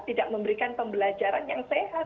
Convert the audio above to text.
tidak memberikan pembelajaran yang sehat